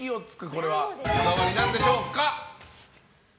これはこだわりなんでしょうか。